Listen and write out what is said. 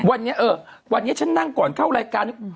วันนี้เออวันนี้ฉันนั่งก่อนเข้ารายการ